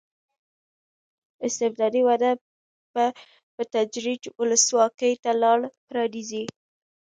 استبدادي وده به په تدریج ولسواکۍ ته لار پرانېزي.